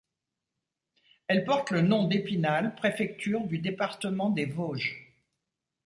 Elle porte le nom d'Épinal préfecture du département des Vosges.